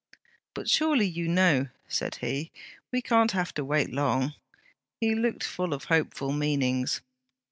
'But surely you know...' said he. 'We can't have to wait long.' He looked full of hopeful meanings.